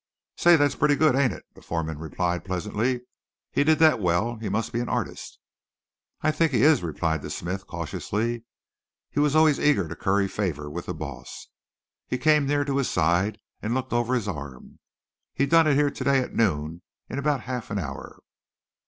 "Say, that's pretty good, ain't it?" the foreman replied pleasantly. "He did that well. He must be an artist." "I think he is," replied the smith, cautiously. He was always eager to curry favor with the boss. He came near to his side and looked over his arm. "He done it here today at noon in about a half an hour."